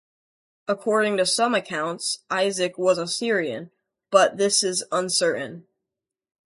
According to some accounts, Isaac was a Syrian, but this is uncertain.